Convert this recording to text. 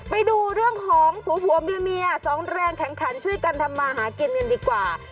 ไปดูเรื่องของผัวเมียสองแรงแข็งขันช่วยกันทำมาหากินกันดีกว่า